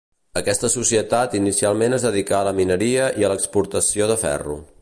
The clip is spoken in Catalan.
Aquesta societat inicialment es dedicà a la mineria i a l'exportació de ferro.